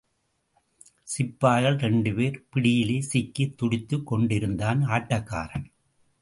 சிப்பாய்கள் இரண்டு பேர் பிடியிலே சிக்கித் துடித்துக் கொண்டிருந்தான் ஆட்டக்காரன்.